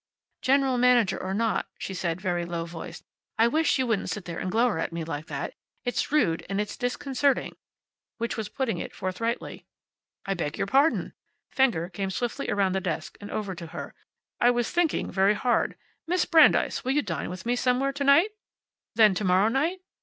"General manager or not," she said, very low voiced, "I wish you wouldn't sit and glower at me like that. It's rude, and it's disconcerting," which was putting it forthrightly. "I beg your pardon!" Fenger came swiftly around the desk, and over to her. "I was thinking very hard. Miss Brandeis, will you dine with me somewhere tonight? Then to morrow night?